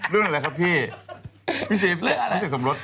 เรื่องอะไรครับพี่พี่ซีเรื่องอะไรพิธีเสกสมรส